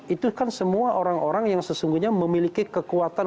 itu kan semua orang orang yang sesungguhnya memiliki kekuatan